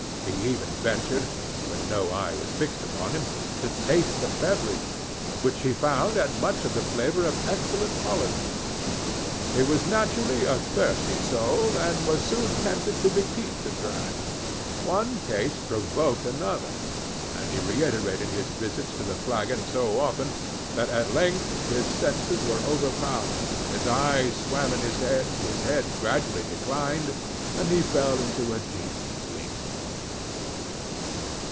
He even ventured, when no eye was fixed upon him, to taste the beverage, which he found had much of the flavor of excellent Hollands. He was naturally a thirsty soul, and was soon tempted to repeat the draught. One taste provoked another; and he reiterated his visits to the flagon so often that at length his senses were overpowered, his eyes swam in his head, his head gradually declined, and he fell into a deep sleep.